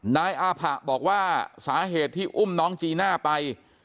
นายอาผะบอกว่าสาเหตุที่อุ้มน้องจีน่าไป